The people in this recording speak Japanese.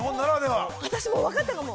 私、もう分かったかも。